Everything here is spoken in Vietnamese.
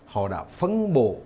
họ đã phấn bộ